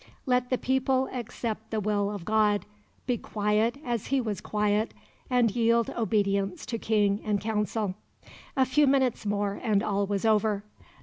Let the people accept the will of God, be quiet as he was quiet, and yield obedience to King and Council. A few minutes more and all was over.